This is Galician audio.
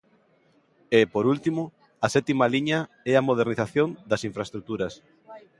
E, por último, a sétima liña é a modernización das infraestruturas.